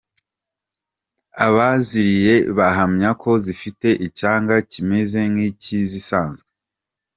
Abaziriye bahamya ko zifite icyanga kimeze nk’icy’izisanzwe.